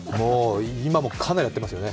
今もかなりやってますよね。